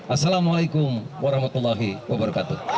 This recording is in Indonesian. assalamualaikum warahmatullahi wabarakatuh